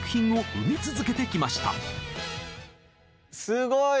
すごい！